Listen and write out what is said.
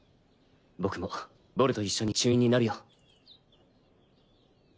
僕もボルトと一緒に中忍になるよ。